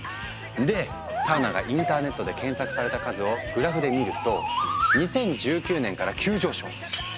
でサウナがインターネットで検索された数をグラフで見ると２０１９年から急上昇。